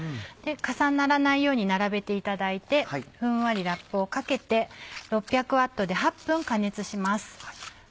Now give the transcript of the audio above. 重ならないように並べていただいてふんわりラップをかけて６００Ｗで８分加熱します。